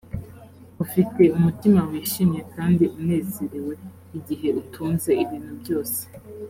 ufite umutima wishimye kandi unezerewe igihe utunze ibintu byose,